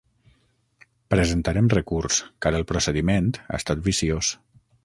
Presentarem recurs, car el procediment ha estat viciós.